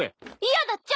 嫌だっちゃ。